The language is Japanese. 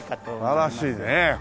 素晴らしいね。